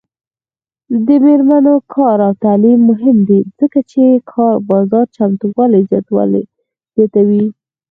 د میرمنو کار او تعلیم مهم دی ځکه چې کار بازار چمتووالي زیاتوي.